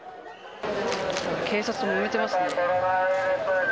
警察ともめてますね。